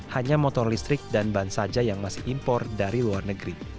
hanya motor listrik dan ban saja yang masih impor dari luar negeri